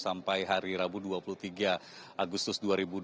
sampai hari rabu dua puluh tiga agustus dua ribu dua puluh